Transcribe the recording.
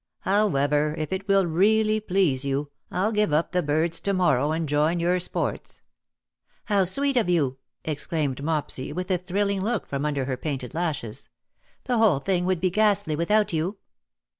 However, if it will really please you, I^ll give up the birds to morrow, and join your sports. *^'' How sweet of you,^^ exclaimed Mopsy, with a thrilling look from under her painted lashes. " The whole thing would be ghastly without you."